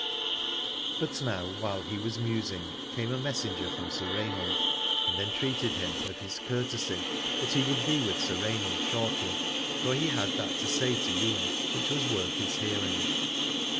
But now while he was musing came a messenger from Sir Rainald, and entreated him of his courtesy that he would be with Sir Rainald shortly, for he had that to say to Ywain which was worth his hearing.